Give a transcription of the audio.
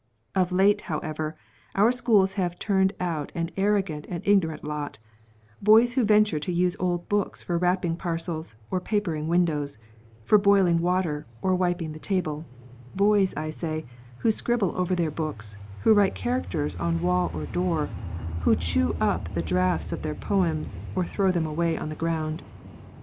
" Of late, however, our schools have turned out an arrogant and ignorant lot — boys who venture to use old books for wrapping parcels or papering windows, for boiling water, or wiping the table ; boys, I say, who scribble over their books, who write characters on wall or door, who chew up the drafts of their poems, or throw them away on the ground.